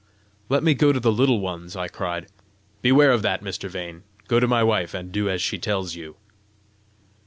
"Let me go to the Little Ones!" I cried. "Beware of that, Mr. Vane. Go to my wife, and do as she tells you."